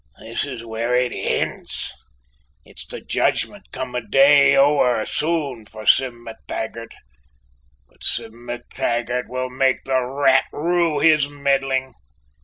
This is where it ends! It's the judgment come a day ower soon for Sim MacTaggart. But Sim MacTaggart will make the rat rue his meddling."